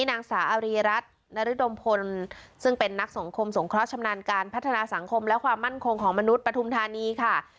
นางสาอารีรัฐนรดมพลซึ่งเป็นนักสงคมสงเคราะห์ชำนาญการพัฒนาสังคมและความมั่นคงของมนุษย์ปฐุมธานีค่ะ